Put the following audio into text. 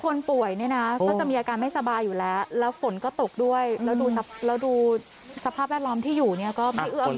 คนป่วยเนี่ยนะก็จะมีอาการไม่สบายอยู่แล้วแล้วฝนก็ตกด้วยแล้วดูแล้วดูสภาพแวดล้อมที่อยู่เนี่ยก็ไม่เอื้อม